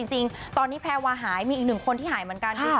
จริงตอนนี้แพรวาหายมีอีกหนึ่งคนที่หายเหมือนกัน